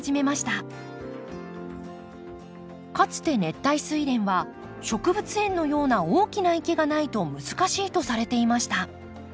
かつて熱帯スイレンは植物園のような大きな池がないと難しいとされていました。